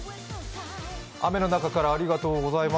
雨の中からありがとうございます。